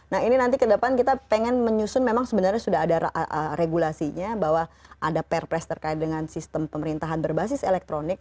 nah ini nanti ke depan kita pengen menyusun memang sebenarnya sudah ada regulasinya bahwa ada perpres terkait dengan sistem pemerintahan berbasis elektronik